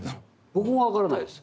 僕も分からないです。